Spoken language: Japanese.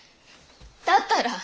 だったら！